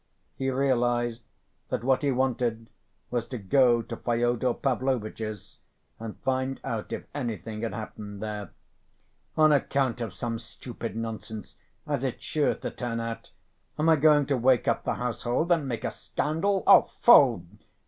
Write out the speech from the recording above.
He realized that what he wanted was to go to Fyodor Pavlovitch's and find out if anything had happened there. "On account of some stupid nonsense—as it's sure to turn out—am I going to wake up the household and make a scandal? Fooh!